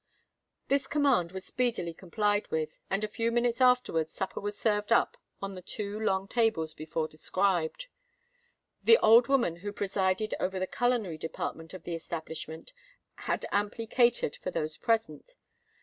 This command was speedily complied with; and, a few minutes afterwards, supper was served up on the two long tables before described. The old woman who presided over the culinary department of the establishment had amply catered for those present.